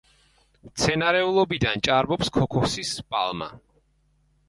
მცენარეულობიდან ჭარბობს ქოქოსის პალმა.